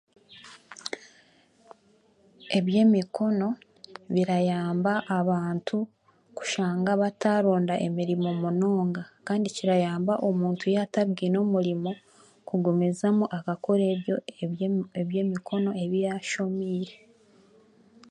Ebyemikono birayamba abantu kushanga bataronda emirimo munonga kandi kirayamba omuntu yaaba atabwine omurimo kugumizama akakora ebyo eby'emikono ebi yaashomiire.